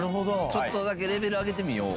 ちょっとだけレベル上げてみよう。